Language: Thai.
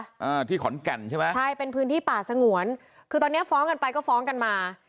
อ่าที่ขอนแก่นใช่ไหมใช่เป็นพื้นที่ป่าสงวนคือตอนเนี้ยฟ้องกันไปก็ฟ้องกันมา